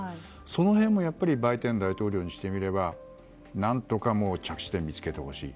その辺もバイデン大統領にしてみれば何とか着地点を見つけてほしい。